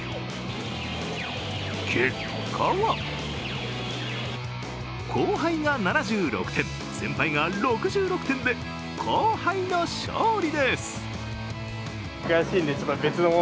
結果は後輩が７６点、先輩が６６点で、後輩の勝利です。